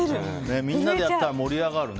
みんなでやったら盛り上がるね。